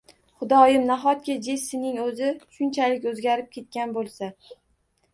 Xudoyim, nahotki, Jessining o`zi shunchalik o`zgarib ketgan bo`lsa